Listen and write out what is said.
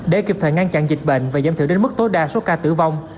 để kịp thời ngăn chặn dịch bệnh và giảm thiểu đến mức tối đa số ca tử vong